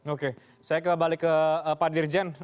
oke saya kembali ke pak dirjen